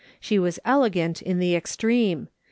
She was elegant in the extreme.